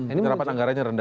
penyerapan anggarannya rendah